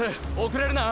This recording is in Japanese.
遅れるな！！